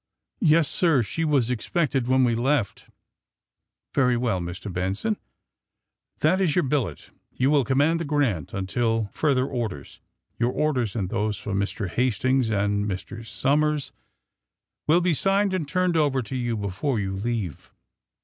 ^'Yes, sir; she was expected when we left." ^^Very well, Mr. Benson; that is your billet. You will command the ^ Grant' until further or ders. Your orders, and those for Mr. Hastings and Mr. Somers will be signed and turned over to you before you leave."